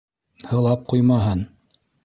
- Һылап ҡуймаһын...